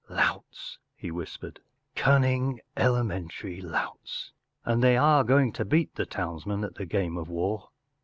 “ Louts,” he whispered. “ Cunning, ele¬ mentary louts. And they are going to beat the townsmen at the game of war